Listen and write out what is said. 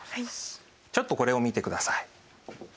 ちょっとこれを見てください。